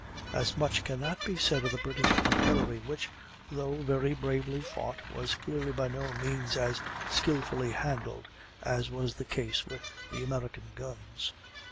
As much cannot be said of the British artillery, which, though very bravely fought was clearly by no means as skilfully handled as was the case with the American guns.